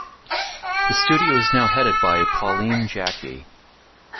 The studio is now headed by Pauline Jacquey.